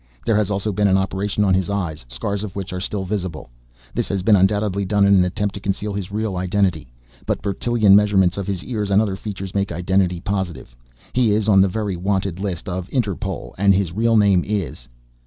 There has also been an operation on his eyes, scars of which are still visible. This has been undoubtedly done in an attempt to conceal his real identity, but Bertillon measurements of his ears and other features make identity positive. He is on the Very Wanted list of Interpol and his real name is